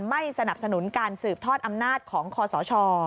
ไม่สนับสนุนการสืบทอดอำนาจของคอสช